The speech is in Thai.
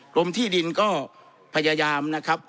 กรมที่ดินก็พยายามนะครับ